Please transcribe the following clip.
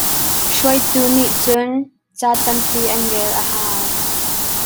Hruaitu nih cun ca tampi an rel a hau.